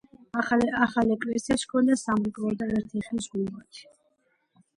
ახალ ეკლესიას ჰქონდა სამრეკლო და ერთი ხის გუმბათი.